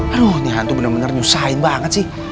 aduh ini hantu bener bener nyusahin banget sih